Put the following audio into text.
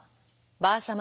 「ばあさま